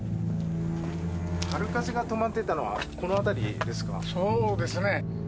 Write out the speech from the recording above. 春風が泊まっていたのは、そうですね。